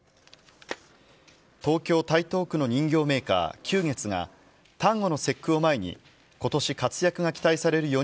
東京・台東区の人形メーカー、久月が、端午の節句を前に、ことし活躍が期待される